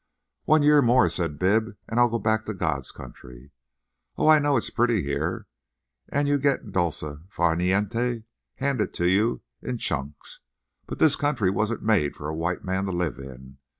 "One year more," said Bibb, "and I'll go back to God's country. Oh, I know it's pretty here, and you get dolce far niente handed to you in chunks, but this country wasn't made for a white man to live in.